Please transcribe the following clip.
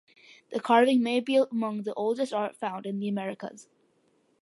The carving may be among the oldest art found in the Americas.